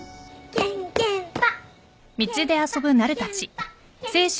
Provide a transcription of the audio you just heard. けんけんぱ。